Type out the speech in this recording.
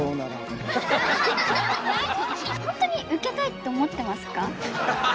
本当にウケたいって思ってますか？